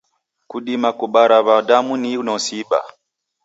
Kudima kubara w'adamu ni inosi ibaa.